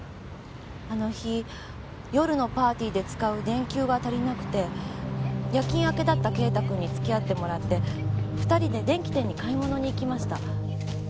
あの日夜のパーティーで使う電球が足りなくて夜勤明けだった啓太君に付き合ってもらって２人で電器店に買い物に行きました。